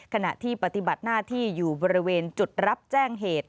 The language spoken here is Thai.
ขณะที่ปฏิบัติหน้าที่อยู่บริเวณจุดรับแจ้งเหตุ